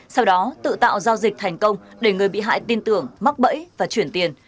sau đó tự tạo giao dịch thành công để người bị hại tin tưởng mắc bẫy và chuyển tiền